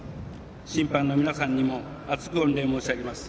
審判の皆さんにも厚く御礼申し上げます。